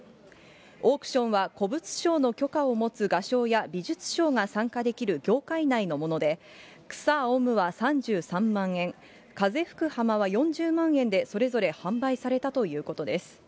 オークションは古物商の許可を持つ画商や美術商が参加できる業界内のもので、草青むは３３万円、風吹く浜は４０万円で、それぞれ販売されたということです。